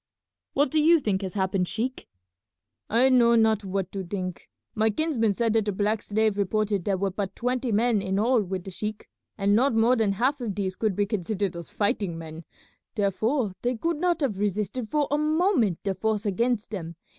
"What do you think has happened, sheik?" "I know not what to think. My kinsman said that the black slave reported there were but twenty men in all with the sheik, and not more than half of these could be considered as fighting men, therefore they could not have resisted for a moment the force against them.